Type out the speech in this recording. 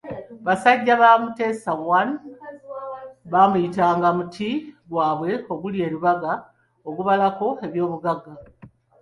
Basajja ba Mutesa I baamuyitanga muti gwabwe oguli e Lubaga ogabalako eby'obugagga.